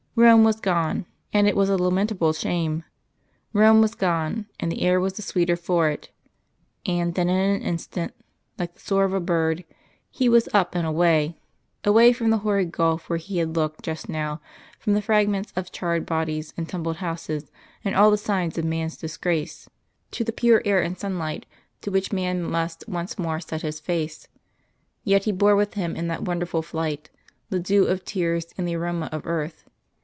Rome was gone, and it was a lamentable shame; Rome was gone, and the air was the sweeter for it; and then in an instant, like the soar of a bird, He was up and away away from the horrid gulf where He had looked just now, from the fragments of charred bodies, and tumbled houses and all the signs of man's disgrace, to the pure air and sunlight to which man must once more set his face. Yet He bore with Him in that wonderful flight the dew of tears and the aroma of earth.